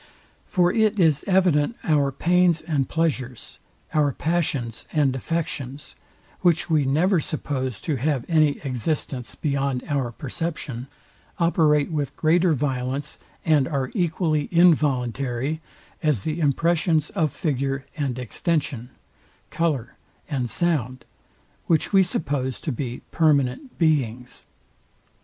For it is evident our pains and pleasures, our passions and affections, which we never suppose to have any existence beyond our perception, operate with greater violence, and are equally involuntary, as the impressions of figure and extension, colour and sound, which we suppose to be permanent beings.